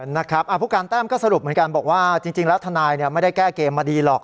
นะครับผู้การแต้มก็สรุปเหมือนกันบอกว่าจริงแล้วทนายไม่ได้แก้เกมมาดีหรอก